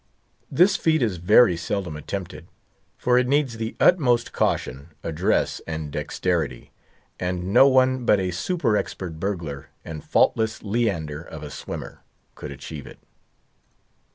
This feat is very seldom attempted, for it needs the utmost caution, address, and dexterity; and no one but a super expert burglar, and faultless Leander of a swimmer, could achieve it.